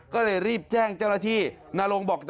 ก็เลยรีบแจ้งเจ้าหน้าที่นารงบอก